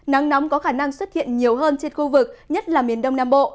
nắng nóng có khả năng xuất hiện nhiều hơn trên khu vực nhất là miền đông nam bộ